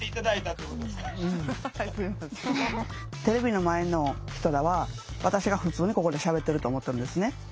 テレビの前の人らは私が普通にここでしゃべってると思ってるんですね。